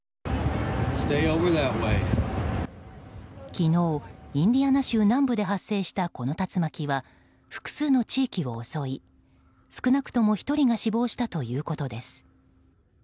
昨日、インディアナ州南部で発生したこの竜巻は複数の地域を襲い少なくとも１人が死亡したということです。